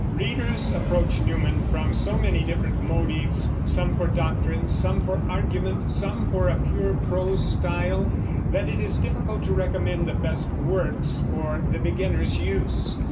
Readers approach Newman from so many different motives, some for doctrine, some for argument, some for a pure prose style, that it is difficult to recommend the best works for the beginner's use.